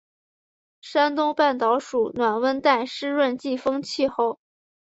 山东半岛属暖温带湿润季风气候。